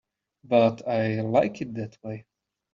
But I like it that way.